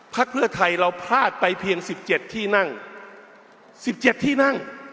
ภักดิ์เพื่อไทยเราพลาดไปเพียงสิบเจ็ดที่นั่งสิบเจ็ดที่นั่ง